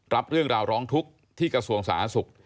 รับเรื่องราวร้องทุกข์ที่กระทรวงสาธารณสุข